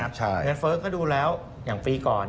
เงินเฟ้อก็ดูแล้วอย่างปีก่อน